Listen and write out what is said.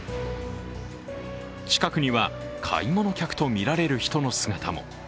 近くには、買い物客とみられる人の姿も。